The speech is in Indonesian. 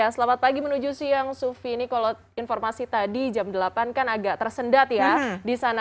selamat pagi menuju siang sufi ini kalau informasi tadi jam delapan kan agak tersendat ya di sana